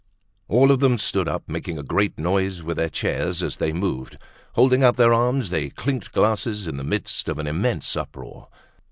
All of them stood up, making a great noise with their chairs as they moved. Holding out their arms, they clinked glasses in the midst of an immense uproar.